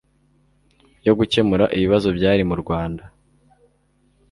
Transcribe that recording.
yo gukemura ibibazo byari mu Rwanda